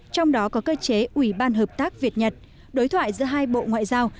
trong đó có cơ chế ủy ban hợp tác việt nhật đối thoại giữa hai bộ ngoại giao